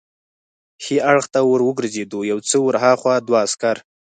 ښي اړخ ته ور وګرځېدو، یو څه ور هاخوا دوه عسکر.